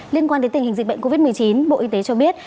liên quan đến tình hình dịch bệnh covid một mươi chín bộ y tế cho biết